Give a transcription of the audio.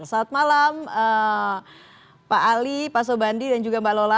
selamat malam pak ali pak sobandi dan juga mbak lola